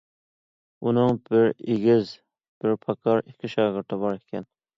ئۇنىڭ بىرى ئېگىز، بىرى پاكار ئىككى شاگىرتى بار ئىكەن.